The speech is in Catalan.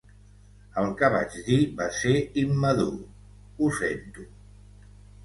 El que vaig dir va ser immadur, ho sento.